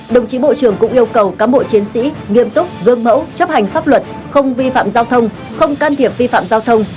đồng chí bộ trưởng cũng yêu cầu cán bộ chiến sĩ nghiêm túc gương mẫu chấp hành pháp luật không vi phạm giao thông không can thiệp vi phạm giao thông